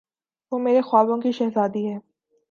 وہ میرے خوابوں کی شہزادی ہے۔